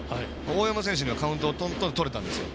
大山選手にはカウントをポンポンとれたんですよ。